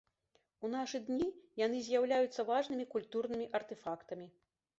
У нашы дні яны з'яўляюцца важнымі культурнымі артэфактамі.